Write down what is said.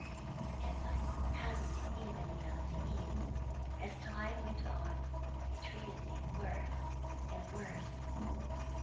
And I hadn't even enough to eat. As time went on, they treated me worse and worse.